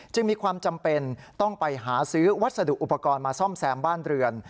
มีความจำเป็นต้องไปหาซื้อวัสดุอุปกรณ์มาซ่อมแซมบ้านเรือน